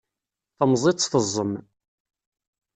Temẓi ad tt-teẓẓem.